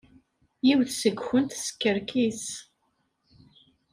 Yiwet seg-went teskerkis.